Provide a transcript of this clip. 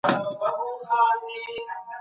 افغان سوداګر د خپلو اساسي حقونو دفاع نه سي کولای.